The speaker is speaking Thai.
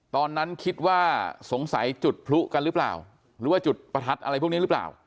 ตอนนั้นคิดว่าสงสัยจุดพลุกันหรือเปล่าหรือว่าจุดประทัดอะไรพวกนี้หรือเปล่า